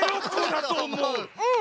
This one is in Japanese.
うん。